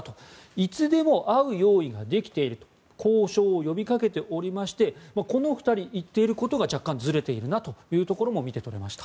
いつでも会う用意ができていると交渉を呼びかけておりましてこの２人、言っていることが若干ずれているなということも見て取れました。